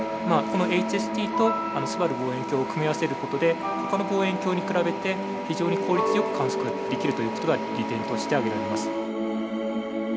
このＨＳＣとすばる望遠鏡を組み合わせる事でほかの望遠鏡に比べて非常に効率よく観測ができるという事が利点として挙げられます。